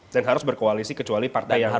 dan harus berkoalisi kecuali partai yang